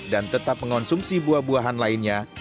dan tetap mengonsumsi buah buahan lainnya